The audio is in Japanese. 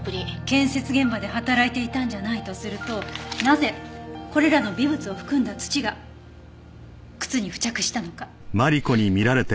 建設現場で働いていたんじゃないとするとなぜこれらの微物を含んだ土が靴に付着したのか？